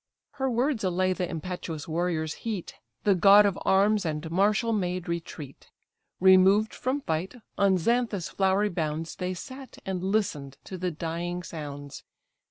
Her words allay the impetuous warrior's heat, The god of arms and martial maid retreat; Removed from fight, on Xanthus' flowery bounds They sat, and listen'd to the dying sounds.